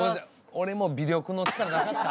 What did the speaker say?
俺も微力の力なかった？